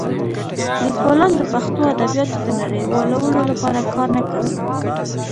لیکوالان د پښتو ادبیاتو د نړیوالولو لپاره کار نه کوي.